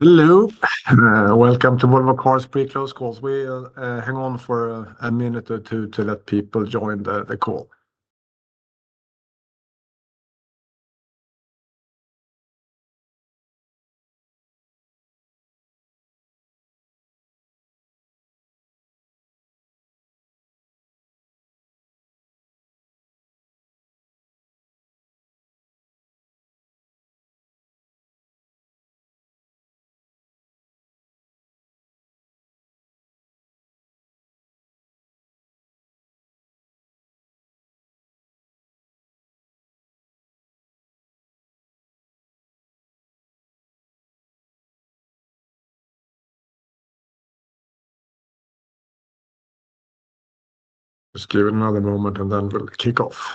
Hello, welcome to one of our calls. We'll hang on for a minute or two to let people join the call. Let's give another moment and then we'll kick off.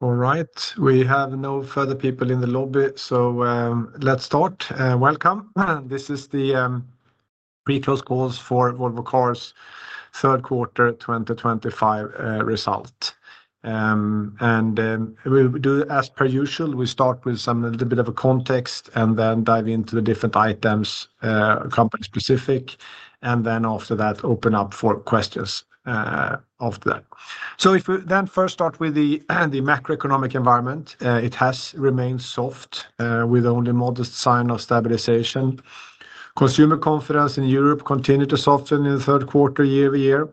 All right, we have no further people in the lobby, so let's start. Welcome. This is the pre-transcripts for Volvo Car Third Quarter 2025 Result. We'll do as per usual. We'll start with a little bit of context and then dive into the different items, company specific. After that, we'll open up for questions. If we then first start with the macroeconomic environment, it has remained soft, with only a modest sign of stabilization. Consumer confidence in Europe continued to soften in the third quarter year-over-year,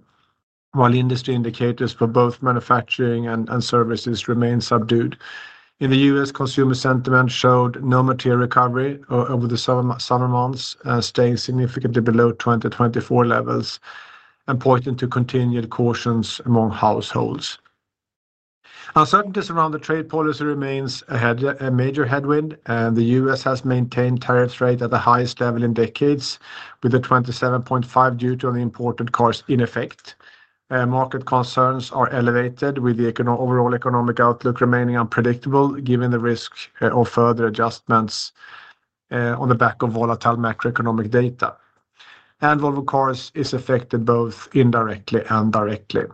while industry indicators for both manufacturing and services remained subdued. In the U.S., consumer sentiment showed no material recovery over the summer months, staying significantly below 2024 levels and pointing to continued cautions among households. Uncertainty surrounding trade policy remains a major headwind. The U.S. has maintained tariffs rates at the highest level in decades, with the 27.5% due to the imported cars in effect. Market concerns are elevated, with the overall economic outlook remaining unpredictable given the risk of further adjustments on the back of volatile macroeconomic data. Volvo Car is affected both indirectly and directly.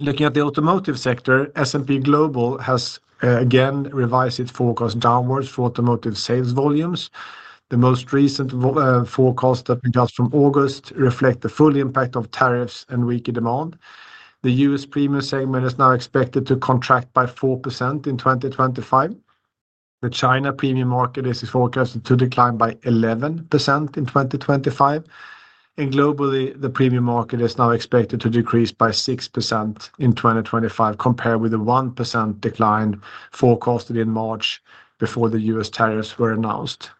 Looking at the automotive sector, S&P Global has again revised its forecast downwards for automotive sales volumes. The most recent forecast, that comes from August, reflects the full impact of tariffs and weaker demand. The U.S. premium segment is now expected to contract by 4% in 2025. The China premium market is forecasted to decline by 11% in 2025. Globally, the premium market is now expected to decrease by 6% in 2025, compared with the 1% decline forecasted in March before the U.S. tariffs were announced.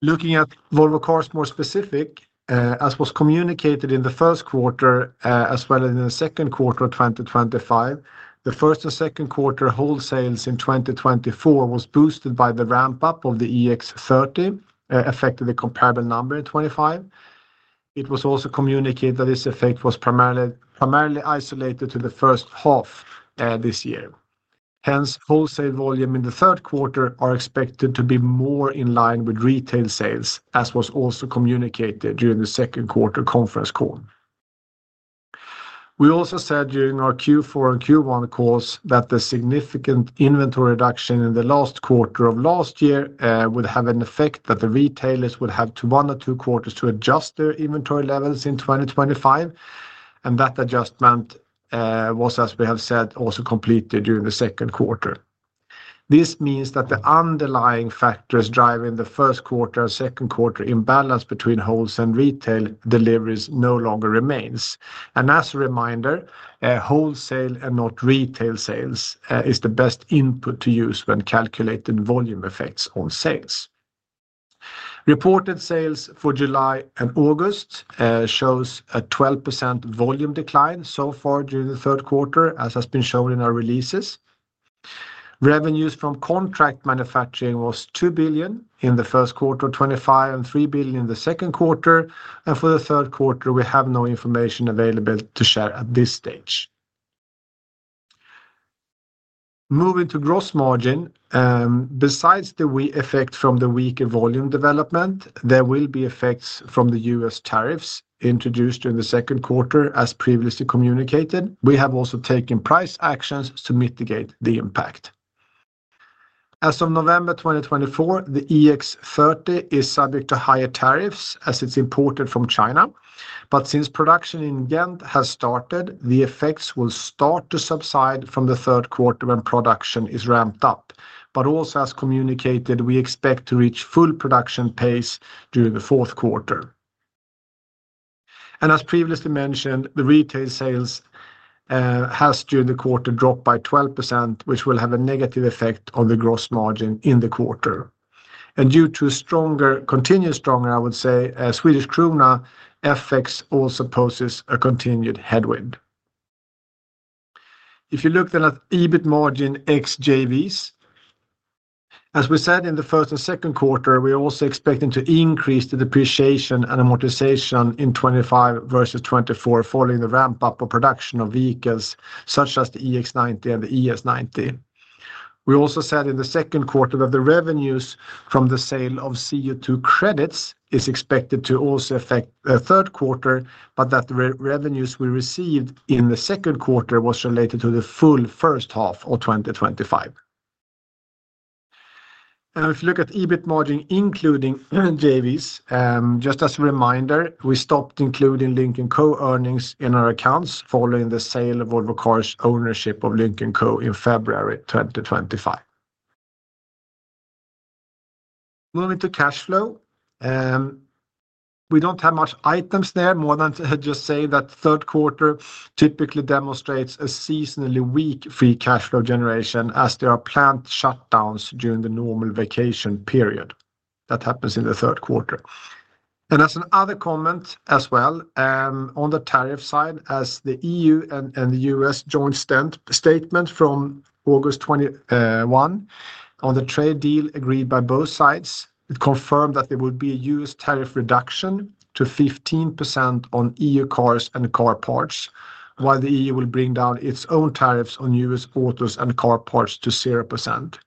Looking at Volvo Car more specifically, as was communicated in the first quarter as well as in the second quarter of 2025, the first and second quarter wholesales in 2024 were boosted by the ramp-up of the EX30, effectively a comparable number in 2025. It was also communicated that this effect was primarily isolated to the first half of this year. Hence, wholesale volume in the third quarter is expected to be more in line with retail sales, as was also communicated during the second quarter conference call. We also said during our Q4 and Q1 calls that the significant inventory reduction in the last quarter of last year would have an effect that the retailers would have one or two quarters to adjust their inventory levels in 2025. That adjustment was, as we have said, also completed during the second quarter. This means that the underlying factors driving the first quarter and second quarter imbalance between wholesale and retail deliveries no longer remain. As a reminder, wholesale and not retail sales are the best input to use when calculating volume effects on sales. Reported sales for July and August show a 12% volume decline so far during the third quarter, as has been shown in our releases. Revenues from contract manufacturing were 2 billion in the first quarter of 2025 and 3 billion in the second quarter. For the third quarter, we have no information available to share at this stage. Moving to gross margin, besides the effect from the weaker volume development, there will be effects from the U.S. tariffs introduced during the second quarter, as previously communicated. We have also taken price actions to mitigate the impact. As of November 2024, the EX30 is subject to higher tariffs as it's imported from China. Since production in Ghent has started, the effects will start to subside from the third quarter when production is ramped up. Also, as communicated, we expect to reach full production pace during the fourth quarter. As previously mentioned, the retail sales have during the quarter dropped by 12%, which will have a negative effect on the gross margin in the quarter. Due to continued stronger Swedish krona effects, this also poses a continued headwind. If you look at EBIT margin ex-JVs, as we said in the first and second quarter, we're also expecting to increase the depreciation and amortization in 2025 versus 2024 following the ramp-up of production of vehicles such as the EX90 and the EX90. We also said in the second quarter that the revenues from the sale of CO2 credits are expected to also affect the third quarter, but that the revenues we received in the second quarter were related to the full first half of 2025. If you look at EBIT margin including JVs, just as a reminder, we stopped including Lynk & Co earnings in our accounts following the sale of Volvo Car ownership of Lynk & Co in February 2025. Moving to cash flow, we don't have much items there, more than to just say that the third quarter typically demonstrates a seasonally weak free cash flow generation as there are planned shutdowns during the normal vacation period. That happens in the third quarter. As another comment as well, on the tariff side, as the EU and the U.S. joint statement from August 2021 on the trade deal agreed by both sides, it confirmed that there would be a U.S. tariff reduction to 15% on EU cars and car parts, while the EU will bring down its own tariffs on U.S. autos and car parts to 0%.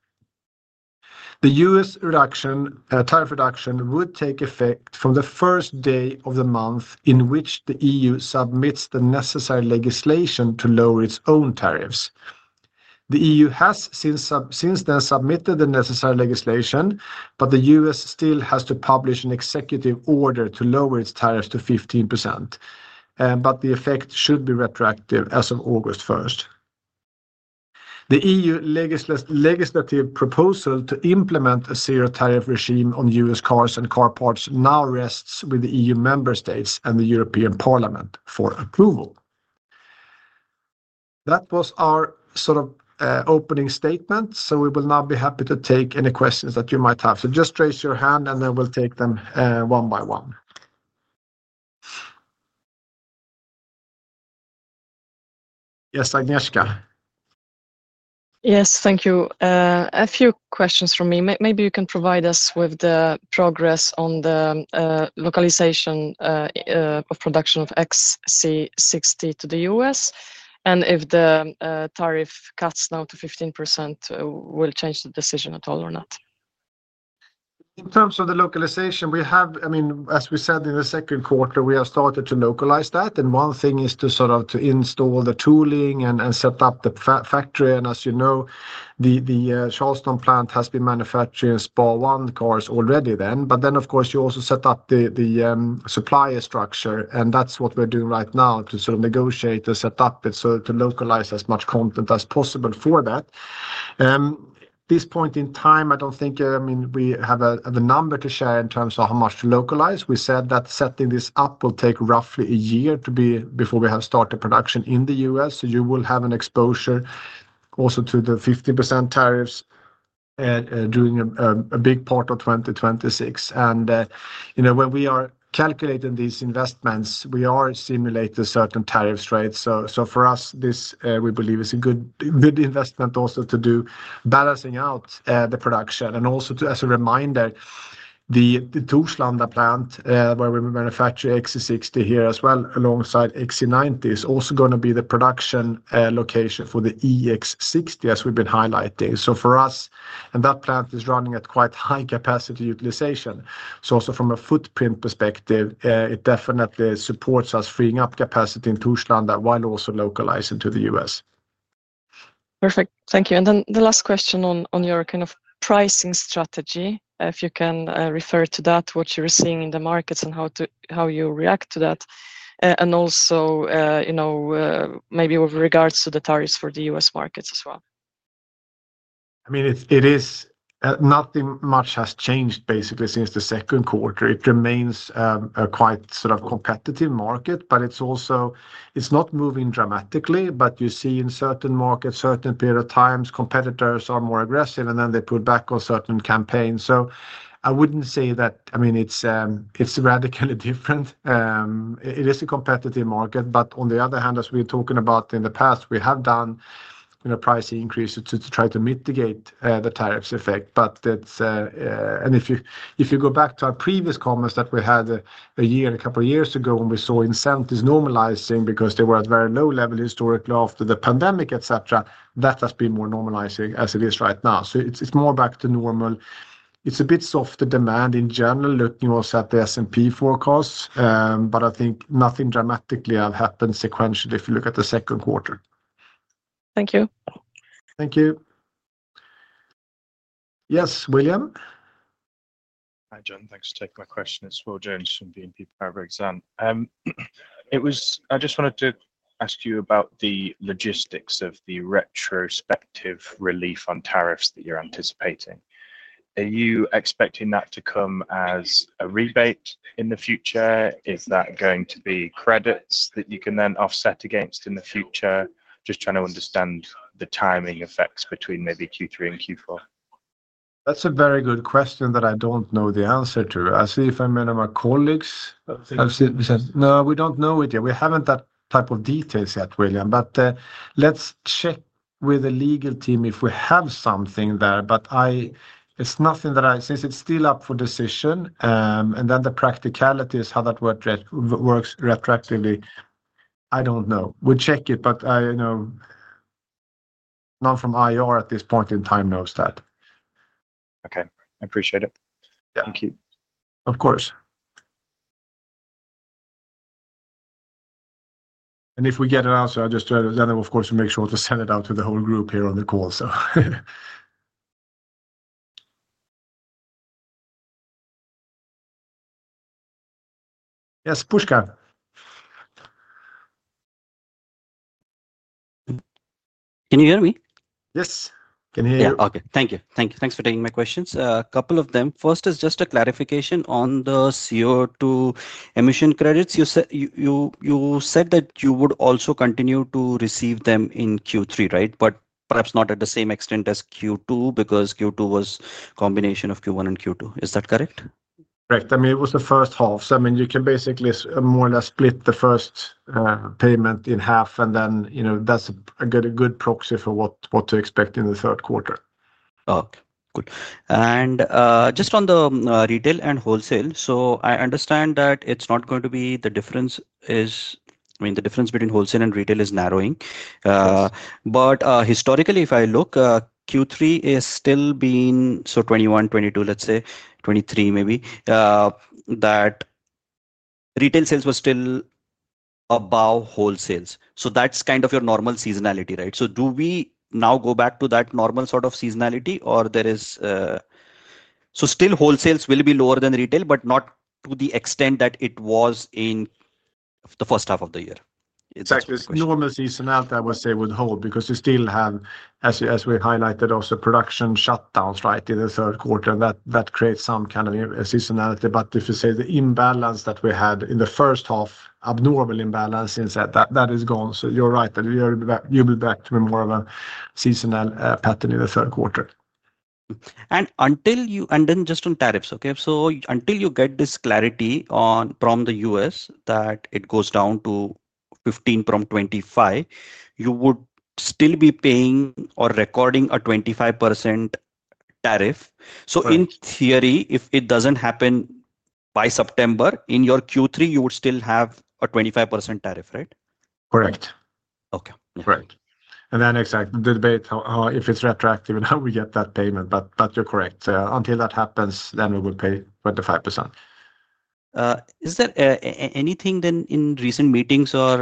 The U.S. tariff reduction would take effect from the first day of the month in which the EU submits the necessary legislation to lower its own tariffs. The EU has since then submitted the necessary legislation, but the U.S. still has to publish an executive order to lower its tariffs to 15%. The effect should be retroactive as of August 1st. The EU legislative proposal to implement a zero tariff regime on U.S. cars and car parts now rests with the EU member states and the European Parliament for approval. That was our sort of opening statement. We will now be happy to take any questions that you might have. Just raise your hand and then we'll take them one by one. Yes, Agnieszka. Yes, thank you. A few questions from me. Maybe you can provide us with the progress on the localization of production of XC60 to the U.S., and if the tariff cuts now to 15%, will it change the decision at all or not? In terms of the localization, we have, as we said in the second quarter, started to localize that. One thing is to install the tooling and set up the factory. As you know, the Charleston plant has been manufacturing SPA 1 cars already. Of course, you also set up the supplier structure. That's what we're doing right now, to negotiate and set up to localize as much content as possible for that. At this point in time, I don't think we have a number to share in terms of how much to localize. We said that setting this up will take roughly a year before we have started production in the U.S. You will have an exposure also to the 15% tariffs during a big part of 2026. When we are calculating these investments, we are simulating certain tariffs rates. For us, this, we believe, is a good investment also to do, balancing out the production. Also, as a reminder, the Torslanda plant, where we manufacture XC60 here as well, alongside XC90, is also going to be the production location for the EX60 as we've been highlighting. For us, that plant is running at quite high capacity utilization. Also from a footprint perspective, it definitely supports us freeing up capacity in Torslanda while also localizing to the U.S. Perfect. Thank you. The last question on your kind of pricing strategy, if you can refer to that, what you're seeing in the markets and how you react to that. Also, maybe with regards to the tariffs for the U.S. markets as well. I mean, nothing much has changed basically since the second quarter. It remains a quite sort of competitive market, but it's also not moving dramatically. You see in certain markets, certain periods of time, competitors are more aggressive and then they pull back on certain campaigns. I wouldn't say that it's radically different. It is a competitive market. As we've been talking about in the past, we have done pricing increases to try to mitigate the tariffs effect. If you go back to our previous comments that we had a year and a couple of years ago when we saw incentives normalizing because they were at a very low level historically after the pandemic, etc., that has been more normalizing as it is right now. It's more back to normal. It's a bit softer demand in general, looking also at the S&P Global forecasts. I think nothing dramatically has happened sequentially if you look at the second quarter. Thank you. Thank you. Yes, Will. Hi, Johan. Thanks for taking my question. It's Will Jones from BNP Paribas. I just wanted to ask you about the logistics of the retrospective relief on tariffs that you're anticipating. Are you expecting that to come as a rebate in the future? Is that going to be credits that you can then offset against in the future? Just trying to understand the timing effects between maybe Q3 and Q4. That's a very good question that I don't know the answer to. I'll see if any of my colleagues know. I've said, no, we don't know it yet. We haven't got that type of details yet, William. Let's check with the legal team if we have something there. Since it's still up for decision, and the practicality is how that works retroactively, I don't know. We'll check it, but none from IR at this point in time knows that. Okay. I appreciate it. Thank you. Of course. If we get an answer, we make sure to send it out to the whole group here on the call. Yes, Pushkar. Can you hear me? Yes, can you hear me? Okay. Thank you. Thank you. Thanks for taking my questions. A couple of them. First is just a clarification on the CO2 emission credits. You said that you would also continue to receive them in Q3, right? Perhaps not at the same extent as Q2 because Q2 was a combination of Q1 and Q2. Is that correct? Correct. It was the first half. You can basically more or less split the first payment in half, and that's a good proxy for what to expect in the third quarter. Okay. Good. Just on the retail and wholesale, I understand that the difference between wholesale and retail is narrowing. Historically, if I look, Q3 is still being, so 2021, 2022, let's say 2023, maybe, that retail sales were still above wholesales. That's kind of your normal seasonality, right? Do we now go back to that normal sort of seasonality, or still wholesales will be lower than retail, but not to the extent that it was in the first half of the year? It's actually normal seasonality, I would say, would hold because you still have, as we highlighted, also production shutdowns, right, in the third quarter. That creates some kind of seasonality. If you say the imbalance that we had in the first half, abnormal imbalance, that is gone. You're right that you'll be back to more of a seasonal pattern in the third quarter. Until you, and then just on tariffs, okay? Until you get this clarity from the U.S. that it goes down to 15% from 25%, you would still be paying or recording a 25% tariff. In theory, if it doesn't happen by September, in your Q3, you would still have a 25% tariff, right? Correct. Okay. Correct. Exactly, the debate is if it's retroactive and how we get that payment. You're correct, until that happens, we would pay 25%. Is there anything in recent meetings or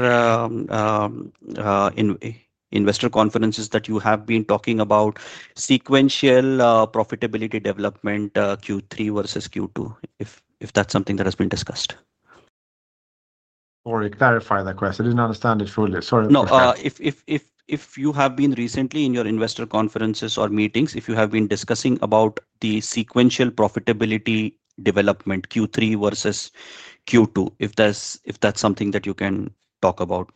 investor conferences that you have been talking about regarding sequential profitability development Q3 versus Q2, if that's something that has been discussed? Could you clarify that question? I didn't understand it fully. Sorry. No. If you have been recently in your investor conferences or meetings, if you have been discussing the sequential profitability development Q3 versus Q2, if that's something that you can talk about.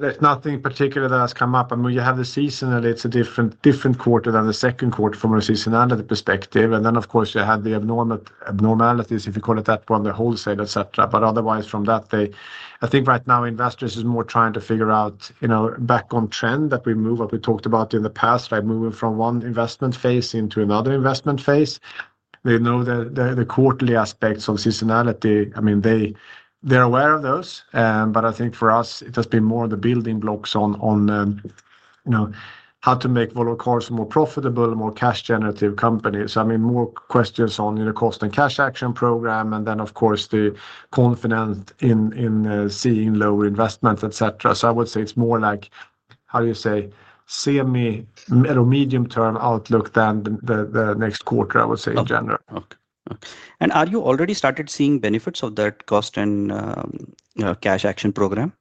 There's nothing in particular that has come up. You have the seasonality, it's a different quarter than the second quarter from a seasonality perspective. Of course, you had the abnormalities, if you call it that, on the wholesale, etc. Otherwise, from that day, I think right now investors are more trying to figure out, you know, back on trend that we move, what we talked about in the past, right, moving from one investment phase into another investment phase. They know the quarterly aspects of seasonality. They're aware of those. I think for us, it has been more of the building blocks on, you know, how to make Volvo Cars a more profitable, more cash-generative company. More questions on the cost and cash action program, and then, of course, the confidence in seeing low investment, etc. I would say it's more like, how do you say, semi or medium-term outlook than the next quarter, I would say, in general. Are you already started seeing benefits of that cost and cash action program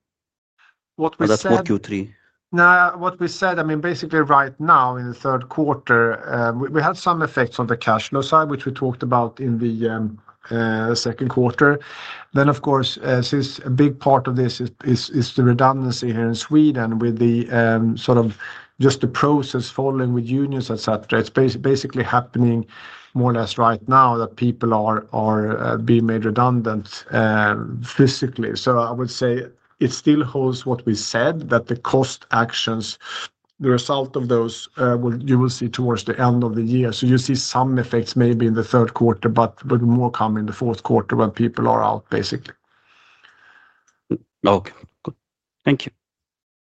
in Q3? What we said, I mean, basically right now in the third quarter, we had some effects on the cash flow side, which we talked about in the second quarter. Of course, since a big part of this is the redundancies here in Sweden with the process following with unions, etc., it's basically happening more or less right now that people are being made redundant physically. I would say it still holds what we said, that the cost actions, the result of those, you will see towards the end of the year. You see some effects maybe in the third quarter, but more will come in the fourth quarter when people are out, basically. Okay, thank you.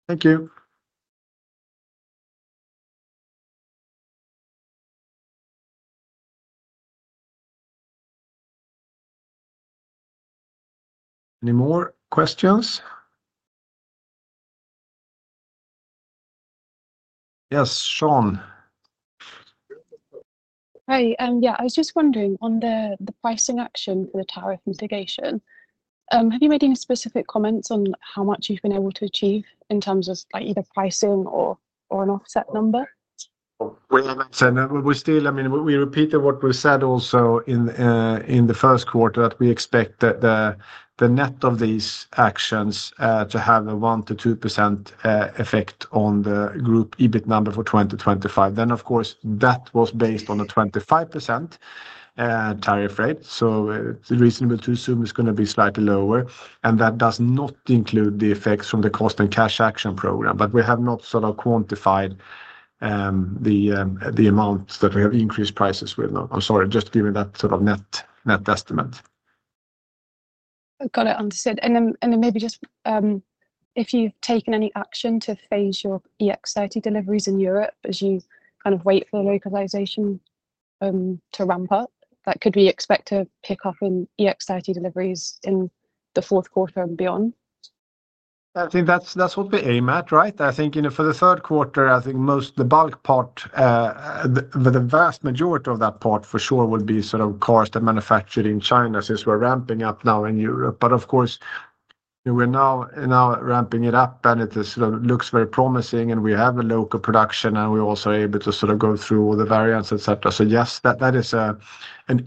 Thank you. Any more questions? Yes, Shaun. Hi. I was just wondering, on the pricing action for the tariff mitigation, have you made any specific comments on how much you've been able to achieve in terms of either pricing or an offset number? We haven't said that. I mean, we repeated what we said also in the first quarter, that we expect the net of these actions to have a 1%-2% effect on the group EBIT number for 2025. That was based on a 25% tariff rate, so it's reasonable to assume it's going to be slightly lower. That does not include the effects from the cost and cash action program. We have not sort of quantified the amount that we have increased prices with. I'm sorry, just giving that sort of net estimate. I've got it understood. If you've taken any action to phase your EX30 deliveries in Europe as you kind of wait for the localization to ramp up, could we expect a pickup in EX30 deliveries in the fourth quarter and beyond? I think that's what we aim at, right? I think for the third quarter, most of the bulk part, the vast majority of that part for sure will be sort of cars that are manufactured in China since we're ramping up now in Europe. Of course, we're now ramping it up and it looks very promising, and we have a local production and we also are able to sort of go through all the variants, etc. Yes, that is an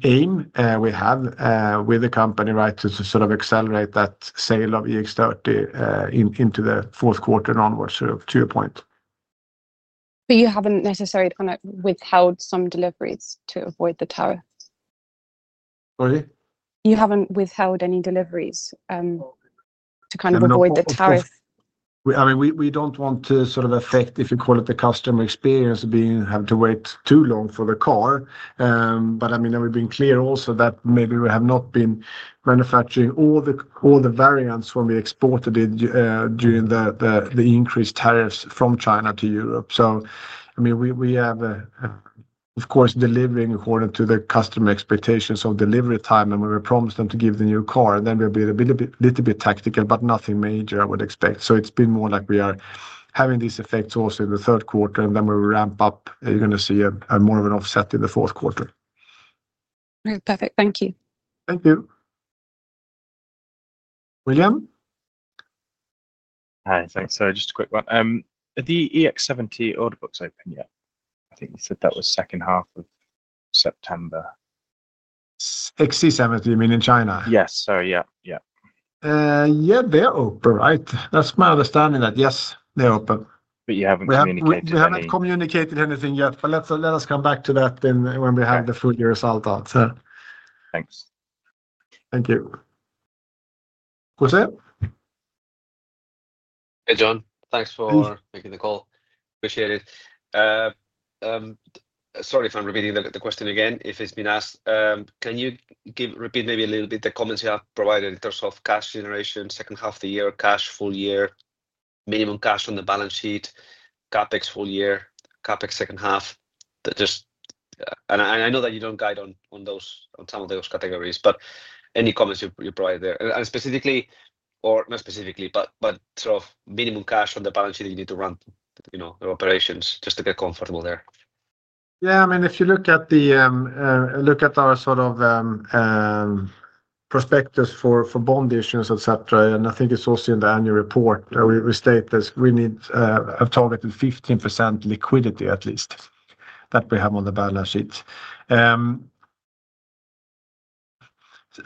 aim we have with the company, right, to sort of accelerate that sale of EX30 into the fourth quarter and onwards to your point. You haven't necessarily kind of withheld some deliveries to avoid the tariff? Sorry? You haven't withheld any deliveries to kind of avoid the tariff? We don't want to sort of affect, if you call it, the customer experience of having to wait too long for the car. We've been clear also that maybe we have not been manufacturing all the variants when we exported it during the increased tariffs from China to Europe. We have, of course, been delivering according to the customer expectations of delivery time and we promised them to give the new car. We'll be a little bit tactical, but nothing major I would expect. It's been more like we are having these effects also in the third quarter and then we ramp up. You're going to see more of an offset in the fourth quarter. Perfect. Thank you. Thank you. William? Hi, thanks. Just a quick one. Are the EX70 order books open yet? I think you said that was second half of September. XC70, you mean in China? Yes, sorry, yeah. Yeah, they're open, right? That's my understanding that yes, they're open. You haven't communicated. We haven't communicated anything yet, but let us come back to that when we have the full year result out. Thanks. Thank you. Hey, Johan. Thanks for taking the call. Appreciate it. Sorry if I'm repeating the question again, if it's been asked. Can you repeat maybe a little bit the comments you have provided in terms of cash generation, second half of the year, cash full year, minimum cash on the balance sheet, CapEx full year, CapEx second half? I know that you don't guide on those, on some of those categories, but any comments you provide there, and specifically, or not specifically, but sort of minimum cash on the balance sheet that you need to run your operations just to get comfortable there. Yeah, I mean, if you look at our sort of prospectus for bond issuance, etc., and I think it's also in the annual report, we state that we need a target of 15% liquidity at least that we have on the balance sheet.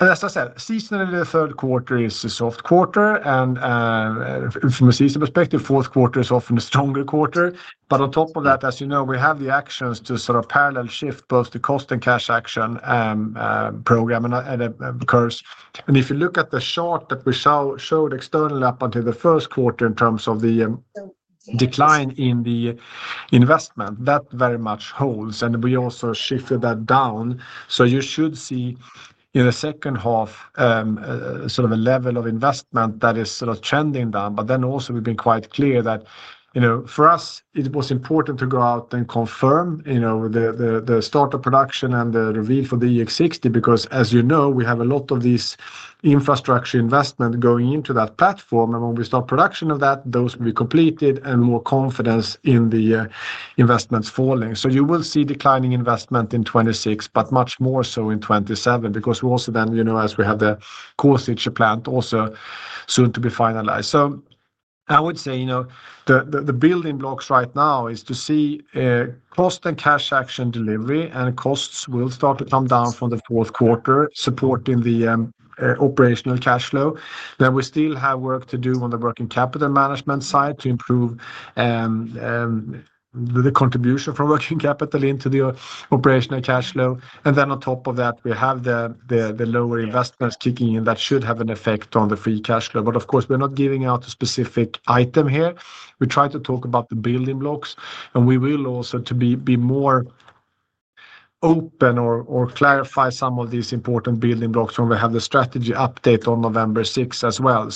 As I said, seasonally, the third quarter is a soft quarter, and from a seasonal perspective, the fourth quarter is often a stronger quarter. On top of that, as you know, we have the actions to sort of parallel shift both the cost and cash action program and the curves. If you look at the chart that we showed externally up until the first quarter in terms of the decline in the investment, that very much holds. We also shifted that down. You should see in the second half sort of a level of investment that is sort of trending down. We've been quite clear that, you know, for us, it was important to go out and confirm, you know, the startup production and the reveal for the EX60 because, as you know, we have a lot of these infrastructure investments going into that platform. When we start production of that, those will be completed and more confidence in the investments falling. You will see declining investment in 2026, but much more so in 2027 because we also then, you know, as we have the Korsnäs plant also soon to be finalized. I would say, you know, the building blocks right now are to see cost and cash action delivery, and costs will start to come down from the fourth quarter, supporting the operational cash flow. We still have work to do on the working capital management side to improve the contribution from working capital into the operational cash flow. On top of that, we have the lower investments kicking in that should have an effect on the free cash flow. Of course, we're not giving out a specific item here. We try to talk about the building blocks. We will also be more open or clarify some of these important building blocks when we have the strategy update on November 6th as well.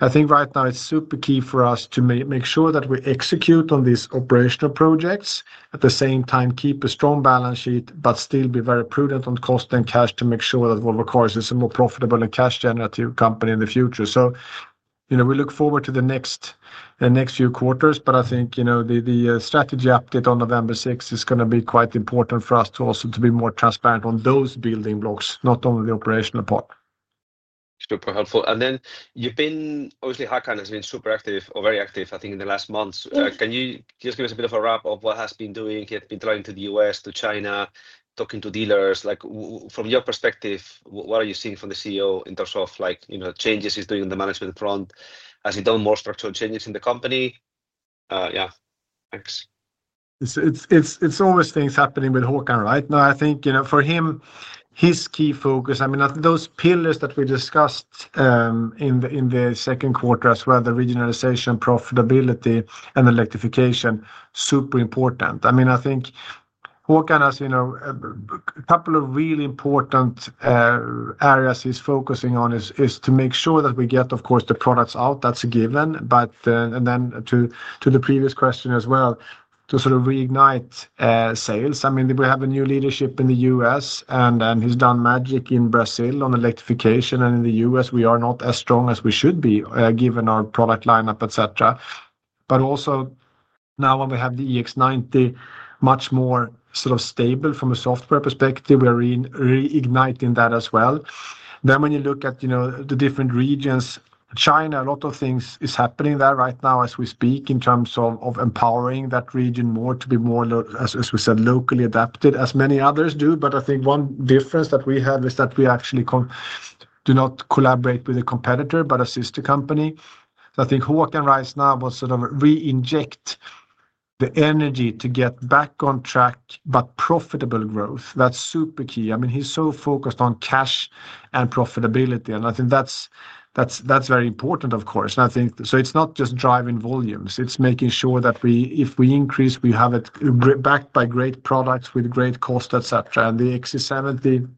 I think right now it's super key for us to make sure that we execute on these operational projects. At the same time, keep a strong balance sheet, but still be very prudent on cost and cash to make sure that Volvo Car is a more profitable and cash-generative company in the future. We look forward to the next few quarters, but I think, you know, the strategy update on November 6th is going to be quite important for us to also be more transparent on those building blocks, not only the operational part. Super helpful. You've been, obviously, Håkan has been super active or very active, I think, in the last months. Can you just give us a bit of a wrap of what he has been doing? He has been flying to the U.S., to China, talking to dealers. From your perspective, what are you seeing from the CEO in terms of, like, you know, changes he's doing on the management front? Has he done more structural changes in the company? Yeah. It's always things happening with Håkan, right? I think, you know, for him, his key focus, I mean, those pillars that we discussed in the second quarter as well, the regionalization, profitability, and electrification, super important. I mean, I think Håkan has, you know, a couple of really important areas he's focusing on is to make sure that we get, of course, the products out. That's a given. To the previous question as well, to sort of reignite sales. I mean, we have a new leadership in the U.S., and he's done magic in Brazil on electrification. In the U.S., we are not as strong as we should be given our product lineup, etc. Also now when we have the EX90 much more sort of stable from a software perspective, we are reigniting that as well. When you look at, you know, the different regions, China, a lot of things are happening there right now as we speak in terms of empowering that region more to be more, as we said, locally adapted as many others do. I think one difference that we have is that we actually do not collaborate with a competitor, but a sister company. I think Håkan right now will sort of re-inject the energy to get back on track, but profitable growth. That's super key. I mean, he's so focused on cash and profitability. I think that's very important, of course. I think it's not just driving volumes. It's making sure that we, if we increase, we have it backed by great products with great costs, etc. The XC70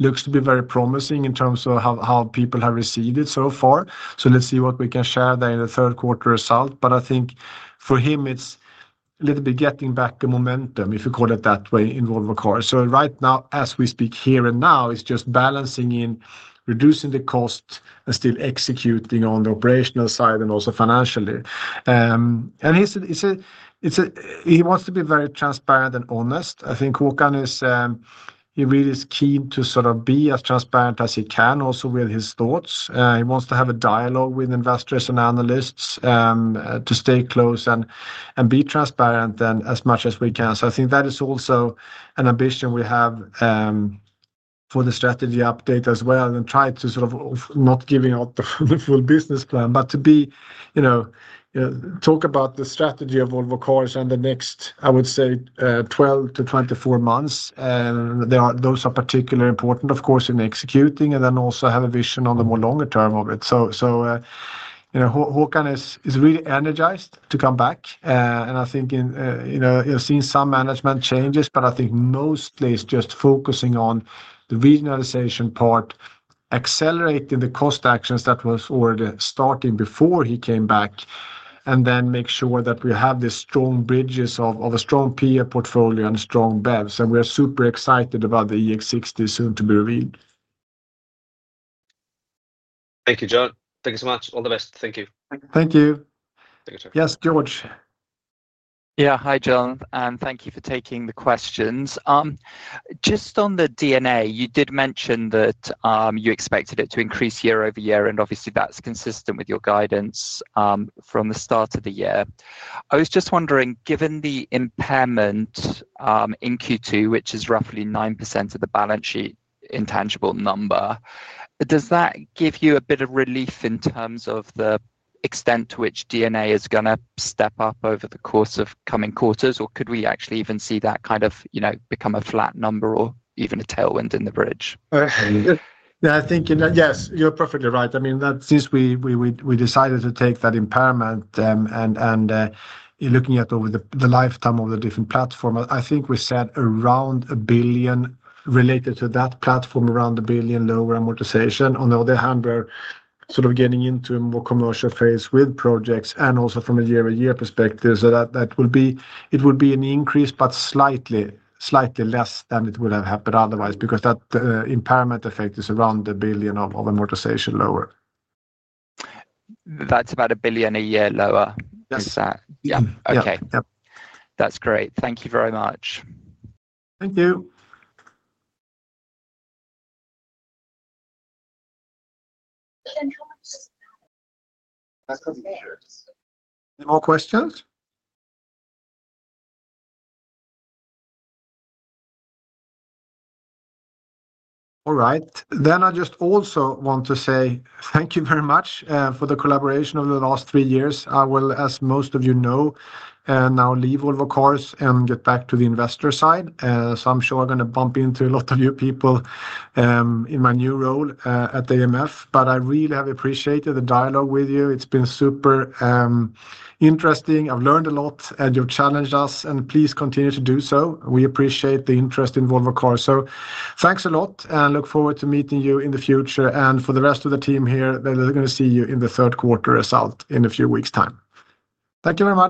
looks to be very promising in terms of how people have received it so far. Let's see what we can share there in the third quarter result. I think for him, it's a little bit getting back the momentum, if you call it that way, in Volvo Car. Right now, as we speak here and now, it's just balancing in, reducing the costs, and still executing on the operational side and also financially. He said he wants to be very transparent and honest. I think Håkan is, he really is keen to sort of be as transparent as he can also with his thoughts. He wants to have a dialogue with investors and analysts to stay close and be transparent as much as we can. I think that is also an ambition we have for the strategy update as well and try to sort of not giving out the full business plan, but to be, you know, talk about the strategy of Volvo Car in the next, I would say, 12 months-24 months. Those are particularly important, of course, in executing and then also have a vision on the more longer term of it. You know, Håkan is really energized to come back. I think you've seen some management changes, but I think mostly it's just focusing on the regionalization part, accelerating the cost actions that were already starting before he came back, and then make sure that we have these strong bridges of a strong PR portfolio and strong BEVs. We are super excited about the EX60 soon to be revealed. Thank you, John. Thank you so much. All the best. Thank you. Thank you. Yes, George. Yeah, hi, Johan. Thank you for taking the questions. Just on the DNA, you did mention that you expected it to increase year over year, and obviously that's consistent with your guidance from the start of the year. I was just wondering, given the impairment in Q2, which is roughly 9% of the balance sheet intangible number, does that give you a bit of relief in terms of the extent to which DNA is going to step up over the course of coming quarters, or could we actually even see that kind of, you know, become a flat number or even a tailwind in the bridge? Yeah, I think, yes, you're perfectly right. I mean, that since we decided to take that impairment and you're looking at over the lifetime of the different platforms, I think we said around 1 billion related to that platform, around 1 billion lower amortization. On the other hand, we're sort of getting into a more commercial phase with projects and also from a year-over-year perspective. That will be, it will be an increase, but slightly, slightly less than it would have happened otherwise because that impairment effect is around 1 billion of amortization lower. That's about 1 billion a year lower. Yes. Yeah, okay. Yeah. That's great. Thank you very much. Thank you. Any more questions? All right. I just also want to say thank you very much for the collaboration over the last three years. I will, as most of you know, now leave Volvo Car and get back to the investor side. I'm sure I'm going to bump into a lot of new people in my new role at AMF. I really have appreciated the dialogue with you. It's been super interesting. I've learned a lot, you've challenged us, and please continue to do so. We appreciate the interest in Volvo Car. Thanks a lot, and look forward to meeting you in the future. For the rest of the team here, they're going to see you in the third quarter result in a few weeks' time. Thank you very much.